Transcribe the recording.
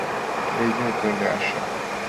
এই যে, চলে এসো।